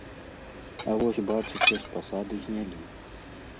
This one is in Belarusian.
А вось, бачыце, з пасады знялі.